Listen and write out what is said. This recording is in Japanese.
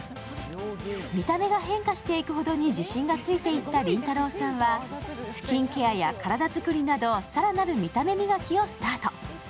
見た目が変化していくほどに自信がついていったりんたろーさんは、スキンケアや体作りなど更なる見た目磨きをスタート。